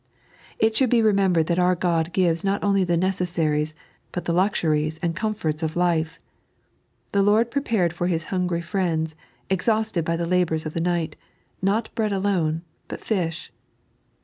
It should be remembered that our God gives not only the necessaries, but the luxuries and comforts of life. The Lord prepared for His hungry friends, exhausted by the labours of the night, not bread alone, but fish.